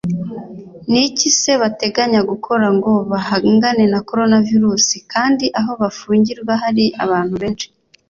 Ni iki se bateganya gukora ngo bahangane na coronavirus kandi aho bafungirwa hari abantu benshi?